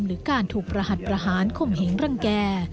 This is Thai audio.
หรือการถูกรหัสประหารข่มเหงรังแก่